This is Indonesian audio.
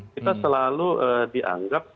kita selalu dianggap